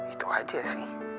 itu aja sih